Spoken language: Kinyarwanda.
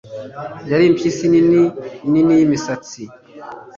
yari impyisi nini nini yimisatsi